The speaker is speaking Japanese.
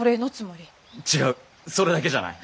違うそれだけじゃない。